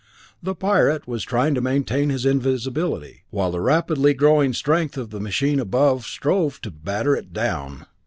The Pirate was trying to maintain his invisibility, while the rapidly growing strength of the machine above strove to batter it down.